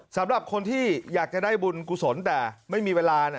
สำหรับคนที่อยากจะได้บุญกุศลแต่ไม่มีเวลา